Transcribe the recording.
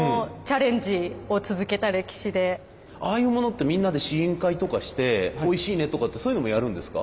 ああいうものってみんなで試飲会とかしておいしいねとかってそういうのもやるんですか？